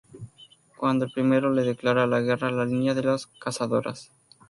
Cuando el primero le declara la guerra a la línea de las cazadoras.